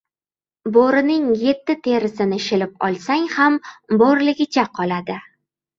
• Bo‘rining yetti terisini shilib olsang ham bo‘riligicha qoladi.